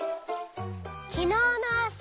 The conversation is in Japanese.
「きのうのあさ」